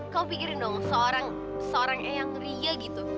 kau pikirin dong seorang eyang ria gitu